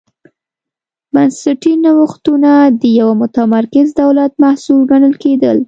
بنسټي نوښتونه د یوه متمرکز دولت محصول ګڼل کېدل.